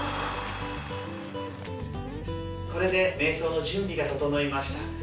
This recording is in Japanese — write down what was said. これでめい想の準備が整いました。